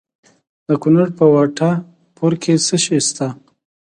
د کونړ په وټه پور کې څه شی شته؟